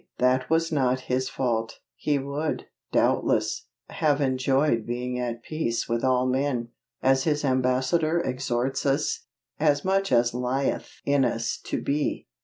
That was not His fault. He would, doubtless, have enjoyed being at peace with all men, as His ambassador exhorts us "as much as lieth in us to be."